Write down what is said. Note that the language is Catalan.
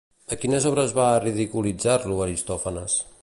A quines obres va ridiculitzar-lo Aristòfanes?